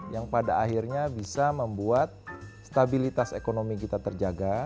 yang pada akhirnya bisa membuat stabilitas ekonomi kita terjaga